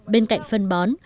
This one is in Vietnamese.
bên cạnh phân bón